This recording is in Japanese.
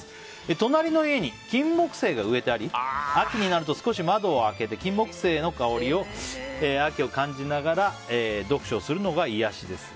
隣の家にキンモクセイが植えてあり秋になると少し窓を開けてキンモクセイの香りと秋を感じながら読書をするのが癒やしです。